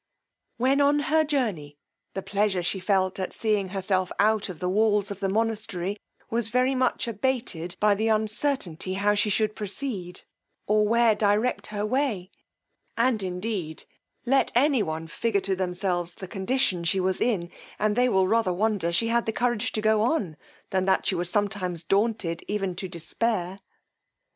When on her journey, the pleasure she felt at seeing herself out of the walls of the monastery, was very much abated by the uncertainty how she should proceed, or where direct her way: and indeed, let any one figure to themselves the condition she was in, and they will rather wonder she had courage to go on, than that she was sometimes daunted even to despair.